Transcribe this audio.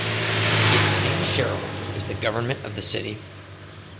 Its main shareholder is the Government of the City.